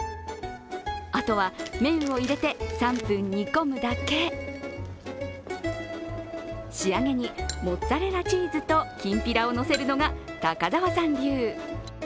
あとは麺を入れて３分煮込むだけ仕上げにモッツァレラチーズときんぴらをのせるのが高沢さん流。